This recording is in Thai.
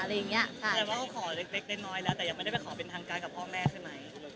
แสดงว่าเขาขอเล็กน้อยแล้วแต่ยังไม่ได้ไปขอเป็นทางการกับพ่อแม่ใช่ไหม